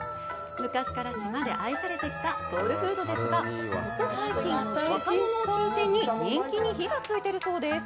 昔から島で愛されてきたソウルフードですがここ最近若者を中心に人気に火がついてるそうです